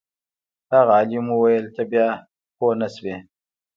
هغه عالم وویل ته بیا پوه نه شوې.